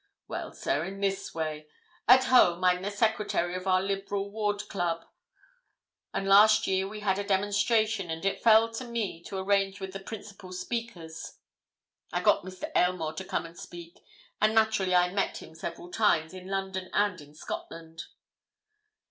"Well, sir, in this way. At home, I'm the secretary of our Liberal Ward Club, and last year we had a demonstration, and it fell to me to arrange with the principal speakers. I got Mr. Aylmore to come and speak, and naturally I met him several times, in London and in Scotland."